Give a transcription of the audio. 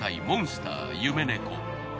モンスター夢猫。